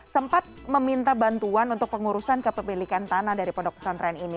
sempat meminta bantuan untuk pengurusan kepemilikan tanah dari pondok pesantren ini